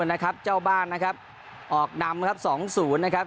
นะครับเจ้าบ้านนะครับออกนำครับสองศูนย์นะครับ